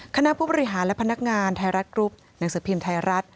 คณะผู้บริหารและพนักงานไทยรัฐกรุ๊ปหนังสือพิมพ์ไทยรัฐ